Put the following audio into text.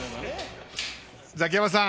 ザキヤマさん。